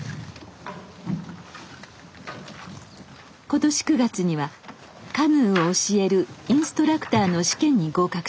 今年９月にはカヌーを教えるインストラクターの試験に合格しました。